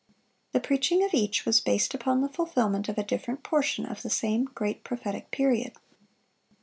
The preaching of each was based upon the fulfilment of a different portion of the same great prophetic period.